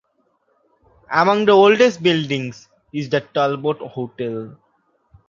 Among the oldest buildings is the Talbot Hotel.